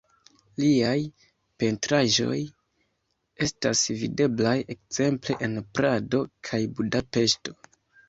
Liaj pentraĵoj estas videblaj ekzemple en Prado kaj Budapeŝto.